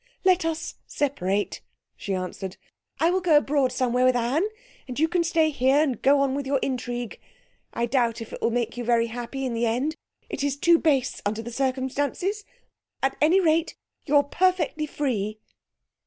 'Let us separate!' she answered. 'I will go abroad somewhere with Anne, and you can stay here and go on with your intrigue. I doubt if it will make you very happy in the end it is too base, under the circumstances. At any rate, you're perfectly free.'